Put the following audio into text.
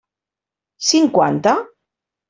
Cinquanta?